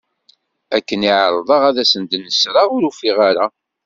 Akken i ɛerḍeɣ ad asen-d-nesreɣ ur ufiɣ ara.